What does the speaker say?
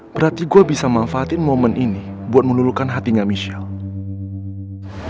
berarti gue bisa manfaatin momen ini buat menurunkan hatinya michelle